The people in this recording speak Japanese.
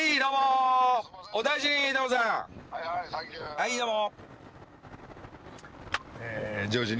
はいどうも。